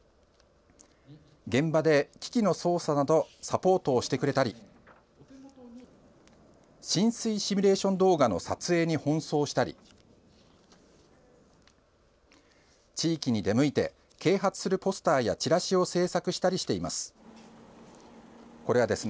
現場で、機器の操作などサポートをしてくれたり浸水シミュレーション動画の撮影に奔走したり地域に出向いて啓発するポスターやチラシを制作したりしています。